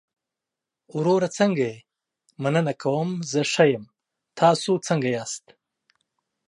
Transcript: وروره څنګه يې؟ مننه کوم، زه ښۀ يم، تاسو څنګه ياستى؟